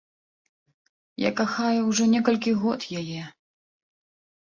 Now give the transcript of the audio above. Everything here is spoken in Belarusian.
Я кахаю ўжо некалькі год яе.